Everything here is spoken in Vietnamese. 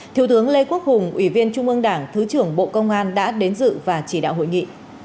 thiếu tướng lê quốc hùng ủy viên trung ương đảng thứ trưởng bộ công an đã đến dự và chỉ đạo hội nghị